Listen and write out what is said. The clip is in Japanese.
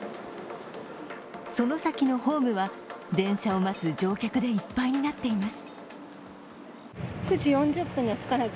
その先のホームは電車を待つ乗客でいっぱいになっています。